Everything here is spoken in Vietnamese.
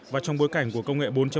và trong bối cảnh của công nghệ bốn